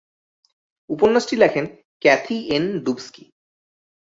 উপন্যাসটি লেখেন Kathy N ডুবস্কি।